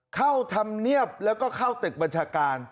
เข้าธรรมเนียบแล้วก็เข้าตึกบัญชาการ